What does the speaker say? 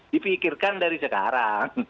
dipikirkan dari sekarang